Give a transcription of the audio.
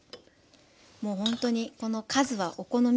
もうほんとにこの数はお好みで。